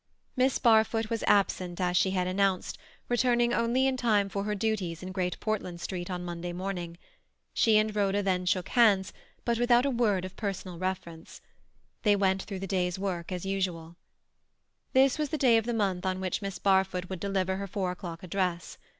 Miss Barfoot was absent as she had announced, returning only in time for her duties in Great Portland Street on Monday morning. She and Rhoda then shook hands, but without a word of personal reference. They went through the day's work as usual. This was the day of the month on which Miss Barfoot would deliver her four o'clock address.